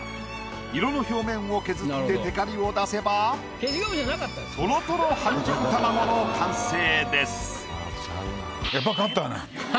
色の表面を削ってテカリを出せばとろとろ半熟たまごの完成です。